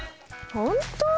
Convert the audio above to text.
ほんと？